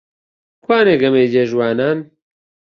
کوانێ گەمەی جێ ژوانان؟